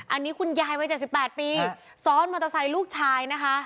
อันนี้คุณยายไว้เจ็บสิบแปดปีซ้อนมอเตอร์ไซด์ลูกชายนะคะ